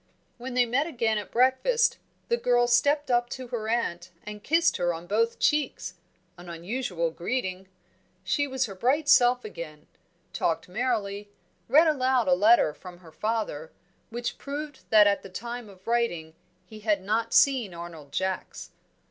When they met again at breakfast, the girl stepped up to her aunt and kissed her on both cheeks an unusual greeting. She was her bright self again; talked merrily; read aloud a letter from her father, which proved that at the time of writing he had not seen Arnold Jacks.